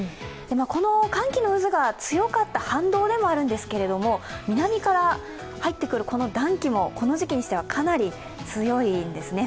この寒気の渦が強かった反動でもあるんですけど南から入ってくる暖気もこの時期にしてはかなり強いんですね。